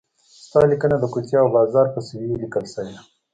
ستا لیکنه د کوڅې او بازار په سویې لیکل شوې.